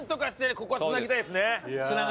ここは繋ぎたいですね。